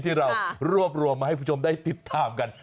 ที่เรารวบรวมมาให้คุณผู้ชมได้ติดตามกัน